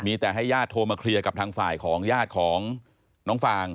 มีแต่ให้ญาติโทรมาเคลียร์กับทางฝ่ายของญาติของน้องฟาง